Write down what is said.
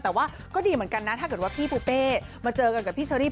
แต่ว่าก็ดีเหมือนกันนะถ้าเกิดว่าพี่ปูเป้มาเจอกันกับพี่เชอรี่